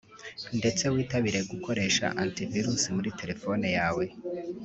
ndetse witabire gukoresha anti-virusi muri telefone yawe